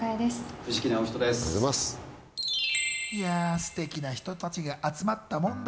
すてきな人たちが集まったもんだ。